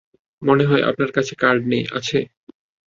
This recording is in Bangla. মনে হয় আপনার কাছে কার্ড নেই, আছে?